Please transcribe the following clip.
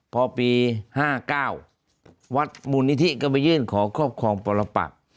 พอปี๕๙วัดมูลนิธิก็ไปยื่นขอครอบครองปรปัก